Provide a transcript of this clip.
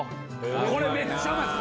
これめっちゃうまいんす！